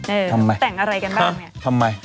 เออแต่งอะไรกันบ้างเนี่ยทำไมฮะทำไม